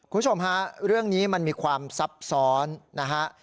คุณผู้ชมฮะเรื่องนี้มันมีความซับซ้อนนะฮะ